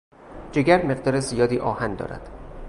جگر مقدار زیادی آهن دارد.